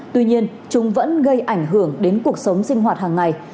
tuy nhiên chúng vẫn gây ảnh hưởng đến cuộc sống sinh hoạt hàng ngày